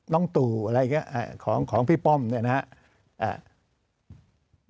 ตู่อะไรอย่างนี้ของพี่ป้อมเนี่ยนะครับ